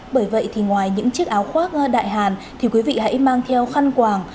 bởi vậy thì ngoài những chiếc áo khoác đại hàn thì quý vị hãy mang theo khăn quàng